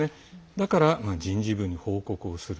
だから、人事部に報告をする。